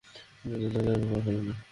মৃতদের গায়ের উপর পা ফেলো না।